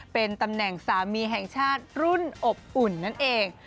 เป็นตำแหน่งสามีแห่งชาติรุ่นอบอุ่นนั่นเอง